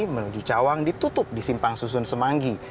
menuju cawang ditutup di simpang susun semanggi